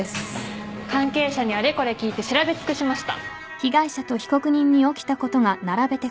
関係者にあれこれ聞いて調べ尽くしました。